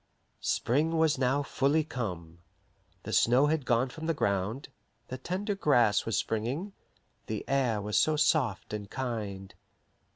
Spring was now fully come. The snow had gone from the ground, the tender grass was springing, the air was so soft and kind.